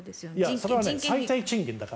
それは最低賃金だから。